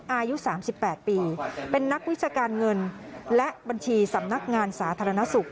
อายุ๓๘ปีเป็นนักวิชาการเงินและบัญชีสำนักงานสาธารณสุข